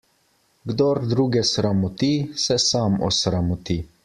Kdor druge sramoti, se sam osramoti.